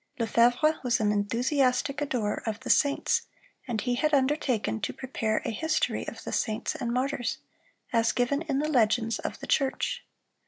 Lefevre was an enthusiastic adorer of the saints, and he had undertaken to prepare a history of the saints and martyrs, as given in the legends of the church.